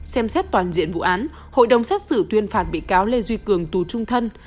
xem xét toàn diện vụ án hội đồng xét xử tuyên phạt bị cáo lê duy cường tù trung thân